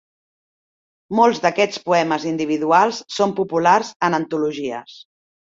Molts d'aquests poemes individuals són populars en antologies.